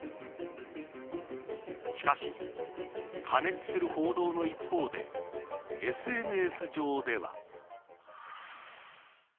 しかし過熱する報道の一方でＳＮＳ上では。